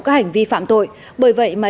các hành vi phạm tội bởi vậy mà